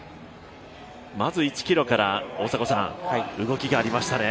まず１ｋｍから動きがありましたね。